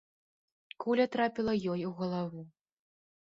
Куля трапіла ёй у галаву.